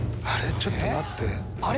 ちょっと待って！